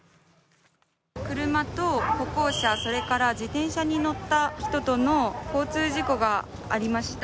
車と歩行者、自転車に乗った人との交通事故がありました。